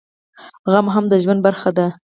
غم هم د ژوند برخه ده